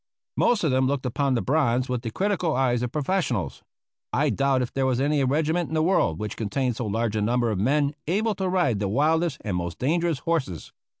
Most of them looked upon the bronze with the critical eyes of professionals. I doubt if there was any regiment in the world which contained so large a number of men able to ride the wildest and most dangerous horses.